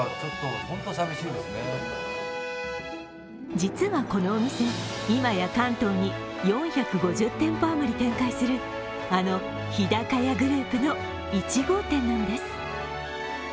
実はこのお店、今や関東に４５０店舗あまり展開するあの日高屋グループの１号店なんです。